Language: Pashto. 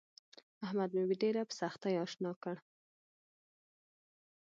احمد مې ډېره په سختي اشنا کړ.